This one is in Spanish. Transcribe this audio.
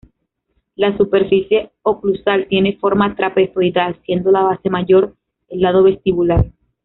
La superficie oclusal tiene forma trapezoidal, siendo la base mayor el lado vestibular.